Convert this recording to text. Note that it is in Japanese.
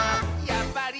やっぱり！」